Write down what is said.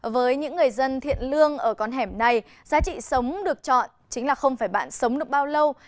với những người dân thiện lương ở con hẻm này giá trị sống được chọn chính là không phải bạn sống được bao lâu